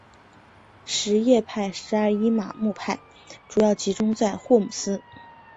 什叶派十二伊玛目派主要集中在霍姆斯。